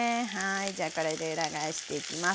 じゃあこれで裏返していきます。